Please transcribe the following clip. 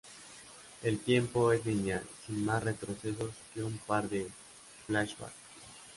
El tiempo es lineal sin más retrocesos que un par de flashbacks.